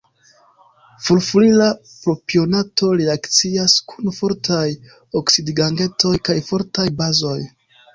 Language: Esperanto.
Furfurila propionato reakcias kun fortaj oksidigagentoj kaj fortaj bazoj.